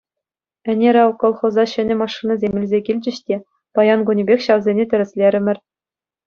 Ӗнер, ав, колхоза ҫӗнӗ машинӑсем илсе килчӗҫ те, паян кунӗпех ҫавсене тӗрӗслерӗмӗр.